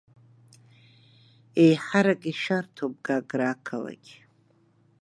Еиҳарак ишәарҭоуп Гагра ақалақь.